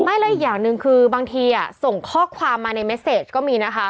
ไม่แล้วอีกอย่างหนึ่งคือบางทีส่งข้อความมาในเมสเซจก็มีนะคะ